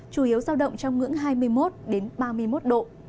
chủ yếu giao động trong ngưỡng hai mươi một ba mươi một độ